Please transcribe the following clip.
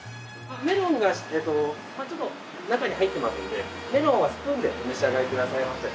メロンがちょっと中に入ってますのでメロンはスプーンでお召し上がりくださいませ。